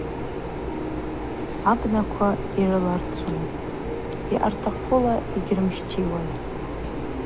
Абнаква йрыларцун, йъартахъула йыгьрымщтиуазтӏ.